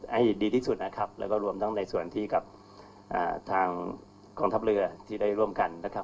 ให้ดีที่สุดนะครับแล้วก็รวมทั้งในส่วนที่กับทางกองทัพเรือที่ได้ร่วมกันนะครับ